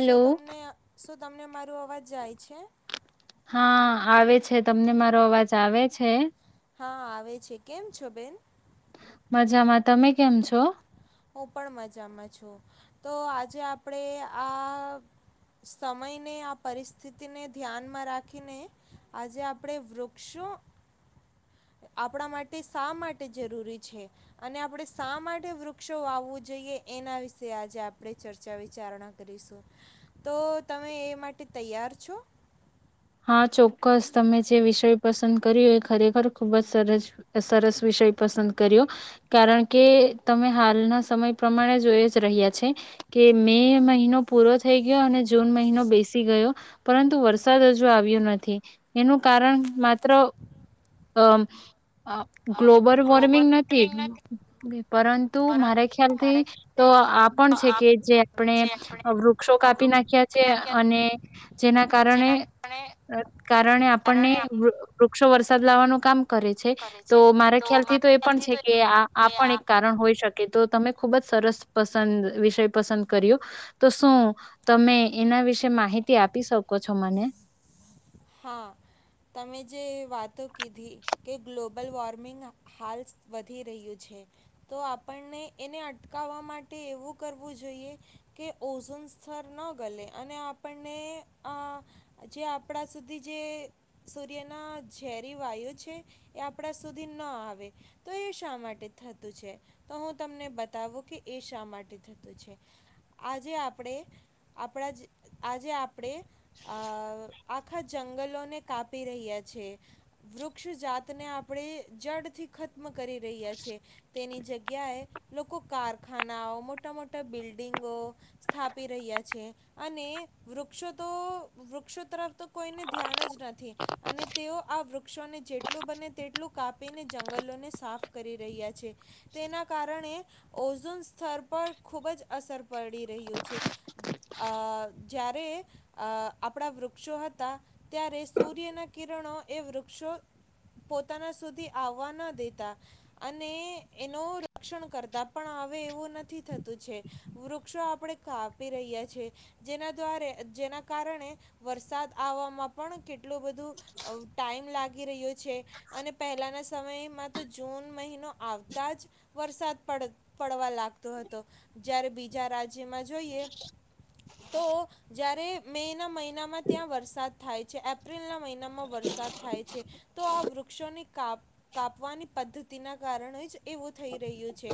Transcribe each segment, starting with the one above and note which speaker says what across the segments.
Speaker 1: શુ તમને શ તમને મારો અવાજ જાય છે?
Speaker 2: હા આવે છે તમને મારો અવાજ આવે છે?
Speaker 1: હા આવે છે કેમ છો બેન?
Speaker 2: મજામાં તમે કેમ છો?
Speaker 1: હું પણ મજામાં છું તો આજે આપણે આ સમયને આ પરિસ્થિતિને ધ્યાનમાં રાખીને આજે આપણે વૃક્ષો આપણા માટે શા માટે જરૂરી છે અને આપણે શા માટે વૃક્ષ ક્ષો વાવવું જોઈએ એના વિશે આજે આપણે ચર્ચા વિચારણા કરીશું તો તમે એ માટે તૈયાર છો?
Speaker 2: હા ચોક્કસ તમે જે વિષય પસંદ કર્યો એ ખરેખર ખુબ જ સરસ સરસ વિષય પસંદ કર્યો. કારણ કે તમે હાલના સમય પ્રમાણે જોઈ જ રહ્યા છે કે મે મહિનો પૂરો થઈ ગયો અને જૂન મહિનો બેસી ગયો પરંતુ વરસાદ હજુ આવ્યું નથી એનું કારણ માત્ર અ ગ્લોબલ વોર્મિંગ નથી પરંતુ મારા ખ્યાલથી તો આ પણ છે કે જે આપણે વૃક્ષો કાપી નાખ્યા છે અને જેના કારણે. કારણ આપણને. ક્ષો વરસાદ લાવવાનું કામ. કરે છે તો મારા ખ્યાલ થી તો એ પણ છે કે એક કારણ હોય શકે તો તમે. ખુબ જ સરસ પસંદ વિષય પસંદ કર્યો તો શું તમે એના વિશે માહિતી આપી શકો છો મને.
Speaker 1: હા તમે જે વાતો કીધી કે ગ્લોબલ વોર્મિંગ હાલ વધી રહ્યું છે તો આપણને એને અટકાવવા માટે એવું કરવું જોઈએ કે ઓઝોન સ્થર ન ગલે અને આપણને જે આપ. આપણા સુધી જે સૂર્યના ઝેરી વાયુ છે એ આપણા સુધી ન આવે તો એ શા માટે થતું છે તો હું તમને બતાવું કે એ શા માટે થતું છે આજે આપણે આપણા જ આજે આપ. અપણે આ. આખા જંગલોને કાપી રહ્યા છે વૃક્ષજાતને આપણે જળથી ખત્મ કરી રહ્યા છેએ તેની જગ્યાએ લોકો કારખાનાઓ મોટા મોટા બિલ્ડિંગો સ્થાપી રહ્યા છે અને વૃક્ષો તો વૃક્ષો તરફ. તો કોઈને ધ્યાન જ નથી અને તેઓ આ વૃક્ષોને જેટલું બને તેટલું કાપીને જંગલોને સાફ કરી રહ્યા છે તેના કારણે ઓઝોન સ્તર પર ખૂબ જ અસર પડી રહ્યું છે જ્યારે આપણા. વૃક્ષો હતા ત્યારે સૂર્યના કિરણો એ વૃક્ષો પોતાના સુધી આવવા ન દેતા અને એનું રક્ષણ કરતા પણ હવે એવું નથી થતું છે વૃક્ષો આપણે કાપી રહ્યા છે જેના દ્વા જેના કારણે. વરસાદ આવવામાં પણ કેટલોું બધું ટાઈમ લાગી રહ્યો છે અને પહેલાંના સમયમાં તો જૂન મહિનો આવતા જ. વરસાદ પડ. પડવા લાગતો હતો જય્યારે બીજા રાજ્ય. જે જોઈએ તો જ્યારે. મેના મહિના. માં ત્યાં વરસાદ થાય છે એ. એપ્રિલના મહિનામાં વરસાદ થાય છે તો આ. વૃક્ષોનેા કાપવાની પદ્ધતિના કારણે જ એવું થઈ રહ્યું છે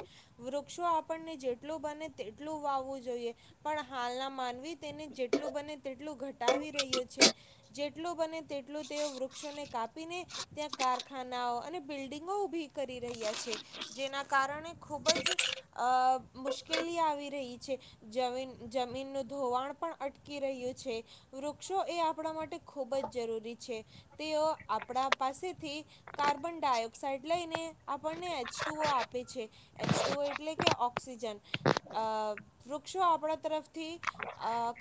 Speaker 1: વૃક્ષો આપણને જેટલું બને તેટલું વાવવું જોઈએ પણ હાલના માનવી તેને જેટલું બને તેટલું ઘટ. રહ છે જેટલું બને તેટલું તેઓ વૃક્ષોને કાપીને ત્યાં કારખાનાઓ અને બિલ્ડંગો ઉભી કરી રહ્યા છે જેના કારણે ખૂબ જ અ મુશ્કેલી આવી રહી છે જમીન જમીનનું ધોવાણ પણ અટકી રહ્યું છે. વૃક્ષો એ આપણા માટે ખૂબ જ જરૂરી છે તેઓ આપણા પાસેથી કાર્બન ડાયોક્સાઇડ લઈને આપણને એચ ટુઓ આપે છે એચ ટુઓ એટલે કે ઓક્સિજન વૃક્ષો આપણા તરફથી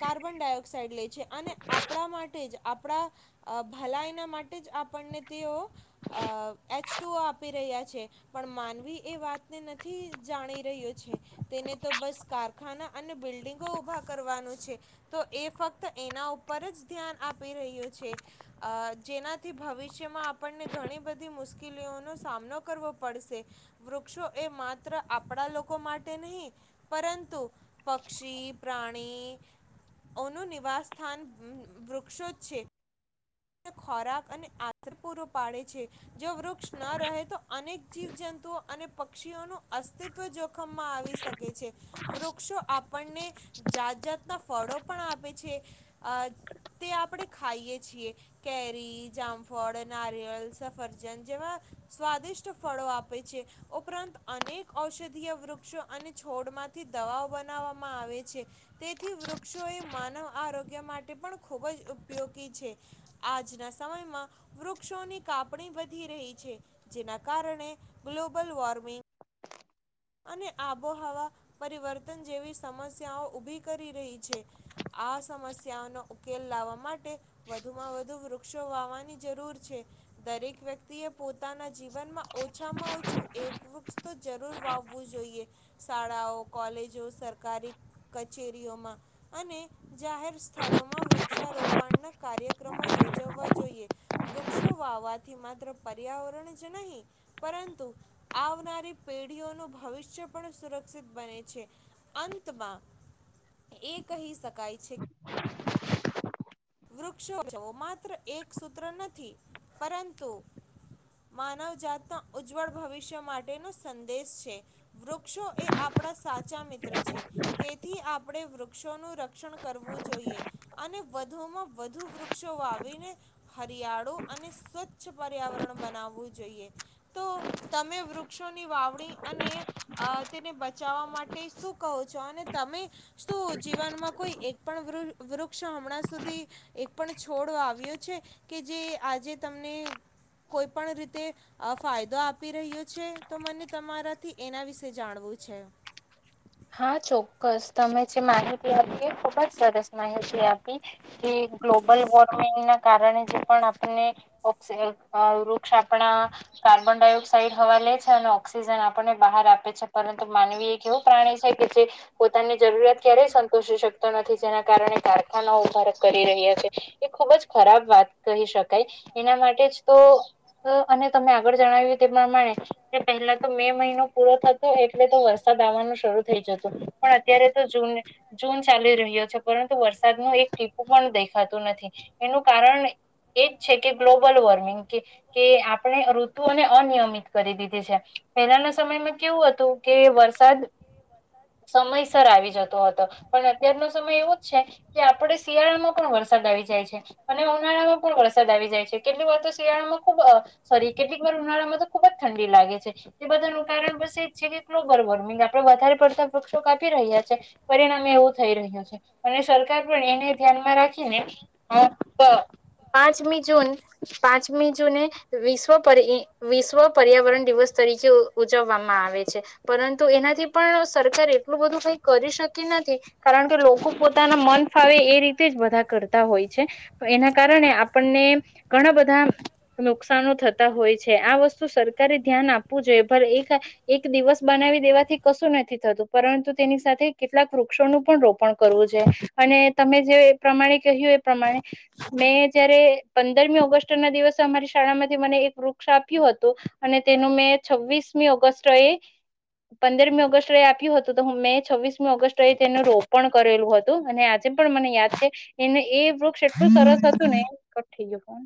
Speaker 1: કાર્બન ડાયોક્સાઇડ લે છે. અને આપણા માટે જ. આપણા ભલાયના માટે જ આપણને તેઓ. અ એચ. ટુ આપી રહ્યા છે પણ માનવી એ વાતને નથી જાણી રહ્યો છે તેને તો બસ કારખાના અને બિલ્ડિંગો ઉઊભા કરવાનું છે તો એ ફક્ત. એના ઉપર જ ધ્યાન આપી રહ્યું છે જેનાથી ભવિષ્યમાં આપણને ઘણી બધી મુશ્કેલીઓનો સામનો કરવો પડશે વૃક્ષો એ માત્ર આપણા લોકો માટે નહીં પરંતુ પક્ષી પ્રાણીઓનું નિવાસ. સ્થાન વૃક્ષો જ છે. ખોરાક અને આદર પૂરો પાડે છે જો વૃક્ષ. ન રહે તો અનેક જીવજંતુઓ અને. પક્ષીઓ નું અસ્તિત્વ. આવી શકે છે વૃક્ષો આપણને. જાત જાતના ફળો પણ આપે છે તે આપણે ખાઈએ છીએ. કેરી જામફળ નારિયળ સફરજન જેવા સ્વાદિષ્ટ ફળો આપે છે ઉપરાંત અનેક ઔષધીય વૃક્ષો અને છોડમાંથી દવાઓ બનાવવામાં આવે છે તેથી વૃક્ષો એ માનવ આરોગ્ય માટે પણ ખૂબ જ ઉપયોગી છે. આજના સમયમાં વૃક્ષોની કાપણી વધી રહી છે જેના કારણે ગ્લોબલ વોર્મિંગ અને આબોહવા પરિવર્તન જેવી સમસ્યાઓ ઉઊભી કરી રહી છે આ સમસ્યાઓનો ઉકેલ લાવવા માટે. વધુ માં વધુ વૃ. વાવાની જરૂર છે દરેક વ્યક્તિએ. પોતાના જીવનમાં ઓછામાં ઓછું એક. તો જરૂર વાવવું જોઈએ શાળાઓ કોલેજો સરકારી કચેરીઓમાં અને જાહેર સ્થળોમાં વૃક્ષારોપણના. કાર્યક્રમો યોજવવા જોઈએ વૃક્ષો વાવાથી માત્ર પર્યાવરણ જ નહીં પરંતુ આવનારી પેઢીઓનું ભવિષ્ય પણ સુરક્ષિત બને છે અંતમાં એ કહી શક. કાય છે. વૃક્ષો માત્ર એક સૂત્ર નથી પરંતુ માનવજતના ઉજ્જવળ ભવિષ્ય માટેનો સંદેશ છે વૃક્ષો એ આપણા સાચા મિત્ર છે તેથી આપણે વૃક્ષોનું. રક્ષણ કરવું જોઈએ. અને વધ. વધ વૃક્ષો વાવીને હરિયાળું અને સ્વચ્છ પર્યાવરણ બનાવવું જોઈએ તો તમે વૃક્ષોની વાવણી અને તેને બચાવવા માટે શું કહો છો અને તમે શું જીવનમાં કોઈ એક પણ વૃક્ષ હમણાંધ. એક પણ છોડ આવ્યો છે કે જે આજે તમને કોઈ પણ રીતે ફાયદો આપી રહ્યો છે તો મને તમારાથી એના વિશે જાણવું છે.
Speaker 2: હા ચોક્કસ તમે જે માહિતી આપી ખુબ જ સરસ માહિતી આપી કે ગ્લોબલ વોર્મિંગના કારણે જે પણ આપને ઓક્ વૃક્ષ આપણા કાર્બન ડાયોક્સાઇડ હવા લે છે અને ઓક્સિજન આપણને બહાર આપે છે પરંતુ માનવીએ કેવું. પોની જરૂરિયાત ક્યારેય સંતોષી શકતો નથી જેના કારણે કારખાનાઓ કરી રહ્યા છે એ ખુબ જ ખરાબ વાત કહી શકાય એના માટે જ તો અને તમે આગળ જણાવ્યું તે પ્રમાણે પહેલા તો મે મહિનો પૂરો થતો એટલે તો વરસાદ આવવાનું. પણ અત્યારે તો જૂન જૂન ચાલી રહ્યો છે પરંતુ વરસાદનું એક ટીપું પણ દેખાતું નથી એનું કારણ એજ છે કે ગ્લોબલ વોર્મિંગ કે આપણે ઋતુઓને અનિયમિત કરી દીધી છે પહેલાના સમયમાં કેવું હતું કે વરસાદ. સમયસર આવી જતો હતો પણ અત્યારનો સમય એવો જ છે કે આપડે શિયાળામાં પણ વરસાદ આવી જાય છે અને ઉનાળામાં પણ વરસાદ આવી જાય છે કેટલીક વાર તો શિયાળામાં ખુબ સોરી કેટલીક વાર ઉનાળામાં તો ખુબ જ ઠંડી લાગે છે એ બધાનું કારણ બસ એ જ છે કે ગ્લોબલ વોર્મિંગ આપડે વધારે. ક્ષો કાપી રહ્યા છે પરિણામે એવું થઈ રહ્યું છે અને સરકાર પણ એને ધ્યાનમાં રાખીને પાંચમી જૂન પાંચમી જૂને વિશ્વ પર વિશ્વ પર્યાવરણ દિવસ તરીકે ઉજવવામાં આવે છે પરંતુ એનાથી. પણ સરકાર એટલું બધું કઈ કરી શકી નથી કારણ કે લોકો પોતાના મન ફાવે એ રીતે જ બધા કરતા હોય છે એના કારણે આપણને ઘણા બધા નુકસાનો થતા હોય છે આ વસ્તુ સરકારે ધ્યાન આપવું જોઈએ એક એક દિવસ બનાવી દેવાથી. કશું નથી થતું પરંતુ તેની સાથે કેટલાક વૃક્ષોનું પણ રોપણ કરવું છે અને તમે જે એ પ્રમાણે કહ્યું એ પ્રમાણે મેં જયારે પંદરમી ઓગસ્ટ ના દિવસે અમારી શાળામાંથી મને એક વૃક્ષ આપ્યું હતું અને તેનું મેં છવ્વીસમી ઓગસ્ટ એ. પંદરમી ઓગસ્ટ આપ્યું હતું તો હું મેં છવ્વીસમી ઓગસ્ટ ર તેનું રોપણ કરેલું હતું અને આજે પણ મને યાદ છે એ એ વૃક્ષ એટલું સરસ હતું ને થઈ ગયું.